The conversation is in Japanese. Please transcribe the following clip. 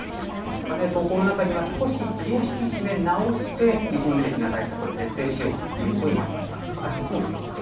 投稿の中には少し気を引き締め直して基本的な感染対策を徹底しようという声もありました。